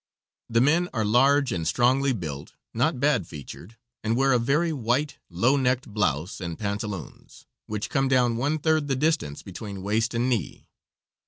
The men are large and strongly built, not bad featured, and wear a very white, low necked blouse and pantaloons, which come down one third the distance between waist and knee.